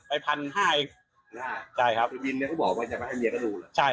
ไปพันเกมิตงถ้าไมโก้บินเนี่ยก็ที่บอกว่า